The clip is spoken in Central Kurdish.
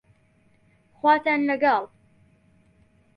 خواتان لەگەڵ